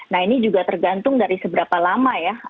nah ini juga tergantung dari seberapa lama ya